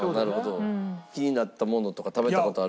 気になったものとか食べた事あるやつは。